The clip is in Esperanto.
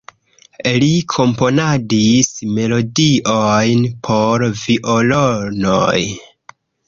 Li komponadis melodiojn por violonoj.